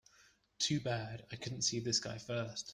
Too bad I couldn't see this guy first.